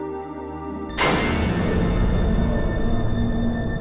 tuh kita ke kantin dulu gi